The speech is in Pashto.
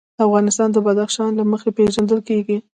افغانستان د بدخشان له مخې پېژندل کېږي.